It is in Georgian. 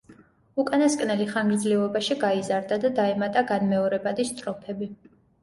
უკანასკნელი ხანგრძლივობაში გაიზარდა და დაემატა განმეორებადი სტროფები.